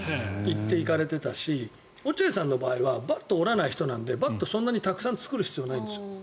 行かれていたし落合さんの場合はバットを折らない人なのでバットをそんなにたくさん作る必要がないんですよ。